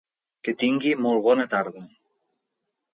Que tingui molt bona tarda.